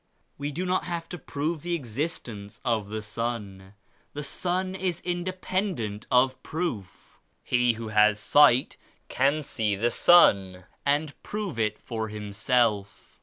We do not have to prove the existence of the sun. The sun is in dependent of proof. He who has sight can see the sun and prove it for himself.